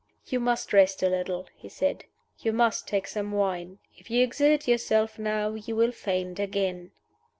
"You must rest a little," he said. "You must take some wine. If you exert yourself now you will faint again."